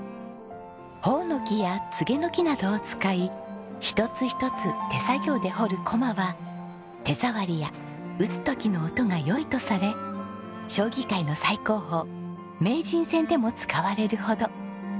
ホオノキやツゲノキなどを使い一つ一つ手作業で彫る駒は手触りや打つ時の音が良いとされ将棋界の最高峰名人戦でも使われるほど。